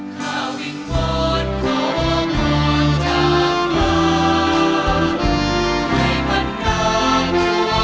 ข้าวิ่งโหดขอบความจากฝ่าขอบความจากฝ่า